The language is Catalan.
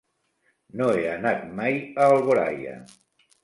No he anat mai a Alboraia.